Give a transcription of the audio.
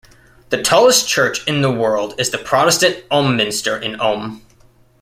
The tallest church in the world is the Protestant Ulm Minster in Ulm.